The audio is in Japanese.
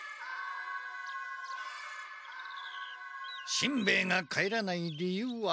しんべヱが帰らない理由は。